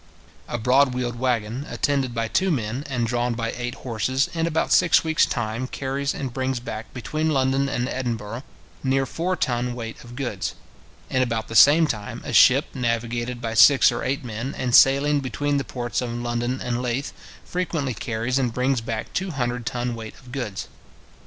A broad wheeled waggon, attended by two men, and drawn by eight horses, in about six weeks time, carries and brings back between London and Edinburgh near four ton weight of goods. In about the same time a ship navigated by six or eight men, and sailing between the ports of London and Leith, frequently carries and brings back two hundred ton weight of goods.